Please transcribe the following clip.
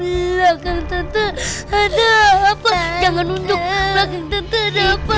iiih iya kan tante ada apa jangan nunduk lagi tante ada apa